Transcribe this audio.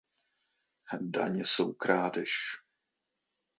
Daně jsou krádež.